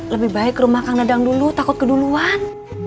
lebih baik rumah kang nedang dulu takut keduluan